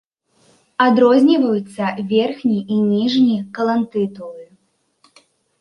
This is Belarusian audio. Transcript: Адрозніваюцца верхні і ніжні калонтытулы.